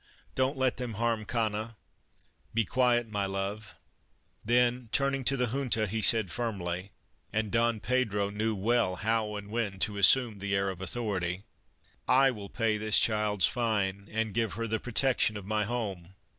Don't let them harm Cana." " Be quiet, my love "; then turn ing to the Junta he said firmly (and Don Pedro knew well how and when to assume the air of authority) :" 1 will pay this child's fine and give her the protec tion of my home.